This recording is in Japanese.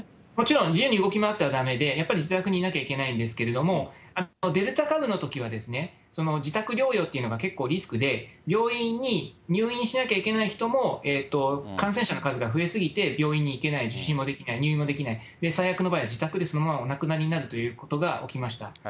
もちろん、自由に動き回ってはだめで、やっぱり自宅にいなきゃいけないんですけど、デルタ株のときは、自宅療養というのが結構リスクで、病院に入院しなきゃいけない人も、感染者の数が増え過ぎて病院に行けない、受診もできない、入院もできない、最悪の場合は自宅でそのままお亡くなりになるということが起きました。